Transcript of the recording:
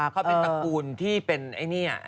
เขาเป็นตระกูลที่เป็น